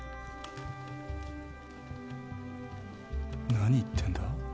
何言ってんだ。